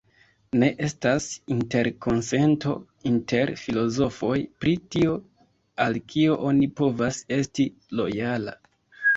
Ne estas interkonsento inter filozofoj pri tio al kio oni povas esti lojala.